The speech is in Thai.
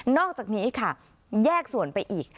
อกจากนี้ค่ะแยกส่วนไปอีก